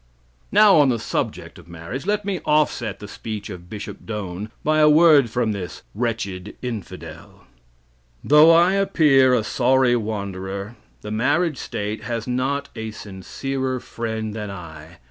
Now, on the subject of marriage, let me offset the speech of Bishop Doane by a word from this "wretched infidel:" "Though I appear a sorry wanderer, the marriage state has not a sincerer friend than I.